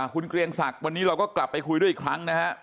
คุณเกรียงศักดิ์วันนี้เราก็กลับไปคุยด้วยอีกครั้งนะฮะ